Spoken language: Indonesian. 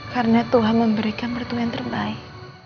karena tuhan memberikan pertunjukan terbaik